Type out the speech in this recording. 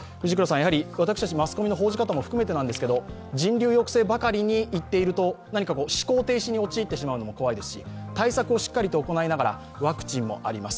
私たちマスコミの報じ方も含めてなんですが人流抑制ばかりにいっていると、思考停止に陥ってしまうのも怖いですし、対策をしっかりと行いながらワクチンもあります